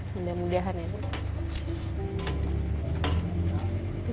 mudah mudahan ya bu